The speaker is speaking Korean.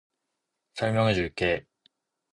설명해줄게.